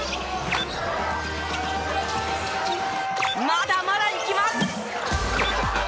まだまだいきます！